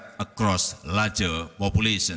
menyebarkan kebanyakan populasi